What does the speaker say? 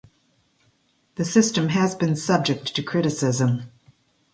The system has been subject to criticism.